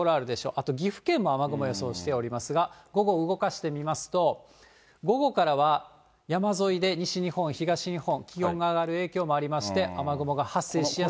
あと岐阜県も雨雲予想しておりますが、午後、動かしてみますと、午後からは山沿いで西日本、東日本、気温が上がる影響もありまして、雨雲が発生しやすい。